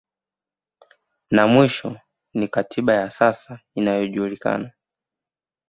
Na mwisho ni katiba ya sasa inayojulikana